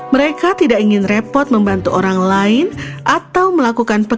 mereka tidak ingin repot membantu orang lain atau melakukan pekerjaan